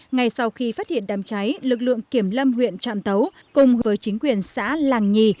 ngay sau khi phát hiện đám cháy lực lượng kiểm lâm huyện trạm tấu cùng với chính quyền xã làng nhì